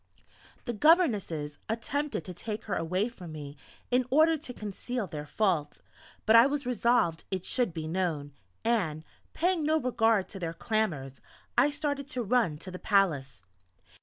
The governesses attempted to take her away from me in order to conceal their fault; but I was resolved it should be known, and, paying no regard to their clamours, I started to run to the palace.